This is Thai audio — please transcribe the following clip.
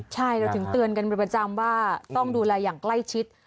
ใช่เราถึงเตือนกันเป็นประจำว่าต้องดูแลอย่างใกล้ชิด